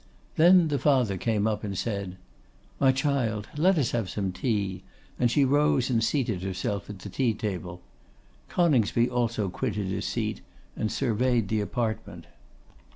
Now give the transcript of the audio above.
Then the father came up and said, 'My child, let us have some tea;' and she rose and seated herself at the tea table. Coningsby also quitted his seat, and surveyed the apartment.